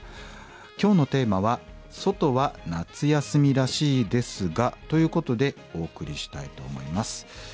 今日のテーマは「ソトは夏休みらしいですが」ということでお送りしたいと思います。